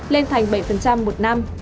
lên thành bảy một năm